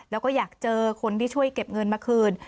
แล้วก็อยากเจอคนที่ช่วยเก็บเงินมาคืน